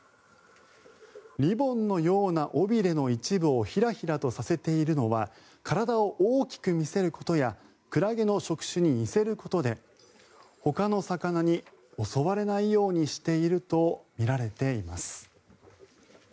リボンのような尾びれの一部をひらひらとさせているのは体を大きく見せることやクラゲの触手に似せることでほかの魚に襲われないようにしているとみられています。